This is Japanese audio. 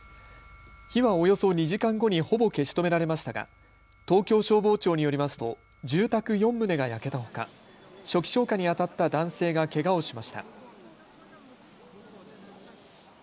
火はおよそ２時間後にほぼ消し止められましたが東京消防庁によりますと住宅４棟が焼けたほか初期消火にあたった男性がけがをしました。